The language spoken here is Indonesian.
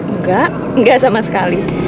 enggak enggak sama sekali